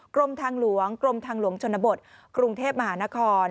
กรมทางหลวงกรมทางหลวงชนบทกรุงเทพมหานคร